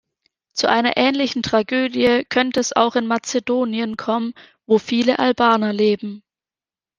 Zu einer ähnlichen Tragödie könnte es auch in Mazedonien kommen, wo viele Albaner leben.